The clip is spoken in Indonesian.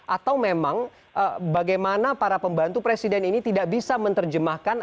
atau memang bagaimana para pembantu presiden ini tidak bisa menerjemahkan